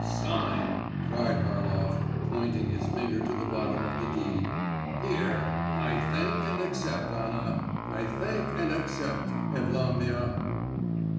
'Sign!' cried Harlov, pointing his forefinger to the bottom of the deed. 'Here: "I thank and accept, Anna. I thank and accept, Evlampia!"